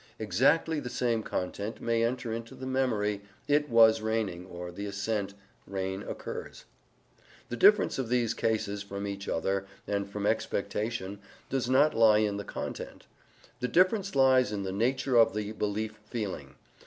Exactly the same content may enter into the memory "it was raining" or the assent "rain occurs." The difference of these cases from each other and from expectation does not lie in the content. The difference lies in the nature of the belief feeling.